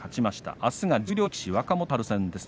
あすが十両力士、若元春戦です。